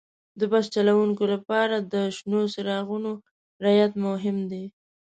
د بس چلوونکي لپاره د شنو څراغونو رعایت مهم دی.